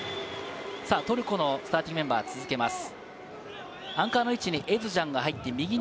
トルコのスターティングメンバーを続けます。